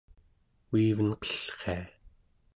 uivenqellria